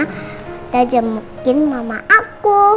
udah jemukin mama aku